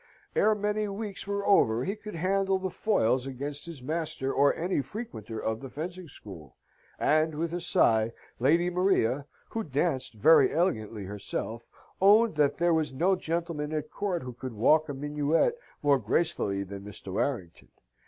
Ere many weeks were over he could handle the foils against his master or any frequenter of the fencing school, and, with a sigh, Lady Maria (who danced very elegantly herself) owned that there was no gentleman at court who could walk a minuet more gracefully than Mr. Warrington.